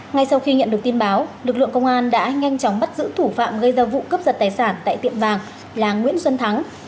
ngay sau khi nhận được tin báo lực lượng công an đã nhanh chóng bắt giữ thủ phạm gây ra vụ cướp giật tài sản tại tiệm vàng là nguyễn xuân thắng